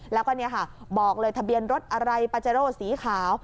แล้วก็บอกเลยทะเบียนรถอะไรปาเจโร่สีขาว